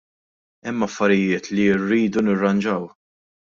Hemm affarijiet li rridu nirranġaw.